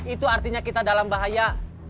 itu artinya kita dalam bahaya